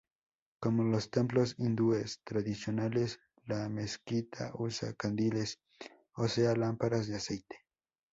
Como los templos hindúes tradicionales, la mezquita usa candiles, o sea, lámparas de aceite.